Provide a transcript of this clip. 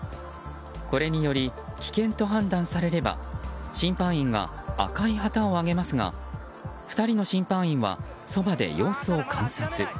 これにより、棄権と判断されれば審判員は赤い旗を上げますが２人の審判員はそばで様子を観察。